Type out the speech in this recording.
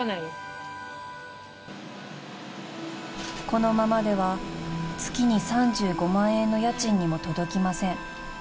［このままでは月に３５万円の家賃にも届きません］